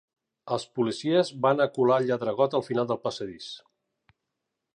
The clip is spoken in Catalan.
Els policies van acular el lladregot al final del passadís.